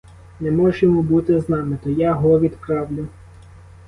Не мож йому бути з нами, то я го відправлю.